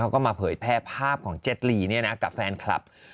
เขาก็มาเผยแพร่ภาพของเจ็ดลีเนี่ยนะกับแฟนคลับ